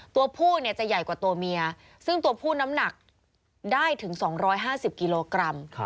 ตัวผู้เนี่ยจะใหญ่กว่าตัวเมียซึ่งตัวผู้น้ำหนักได้ถึง๒๕๐กิโลกรัม